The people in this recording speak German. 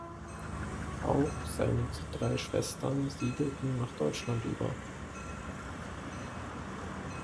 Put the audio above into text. Auch seine drei Schwestern siedelten nach Deutschland über.